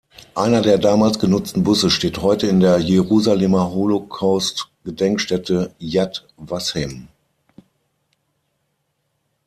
Einer der damals genutzten Busse steht heute in der Jerusalemer Holocaust-Gedenkstätte Yad Vashem.